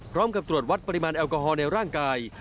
ตรวจวัดปริมาณแอลกอฮอลในร่างกาย